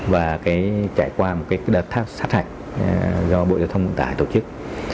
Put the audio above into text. và trải qua một đợt tháp sát hạch do bộ giao thông vận tải tổ chức